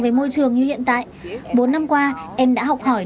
với môi trường như hiện tại bốn năm qua em đã học hỏi